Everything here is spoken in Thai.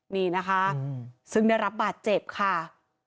นี่นะคะซึ่งได้รับบาดเจ็บค่ะ